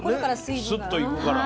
スッといくから。